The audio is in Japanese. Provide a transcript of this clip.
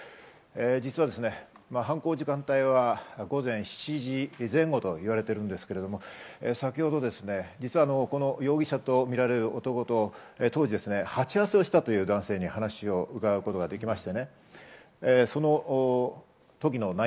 実は犯行時間帯は午前７時前後と言われているんですが、先ほどこの容疑者とみられる男と当時、鉢合わせをしたという男性に話を伺うことができました。